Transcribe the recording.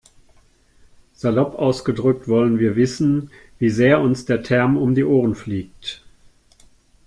Salopp ausgedrückt wollen wir wissen, wie sehr uns der Term um die Ohren fliegt.